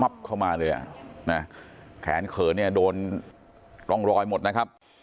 มับเข้ามาเลยอ่ะนะฮะแขนเคิร์จ์เนี่ยโดนลองรอยหมดนะครับ